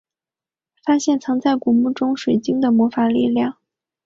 发现藏在古墓中水晶的魔法力量。